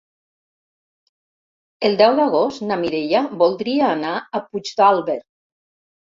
El deu d'agost na Mireia voldria anar a Puigdàlber.